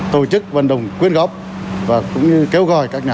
tổ chức vận động quyên góp và cũng như kêu gọi các nhà